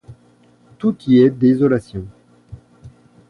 Tout y est désolation.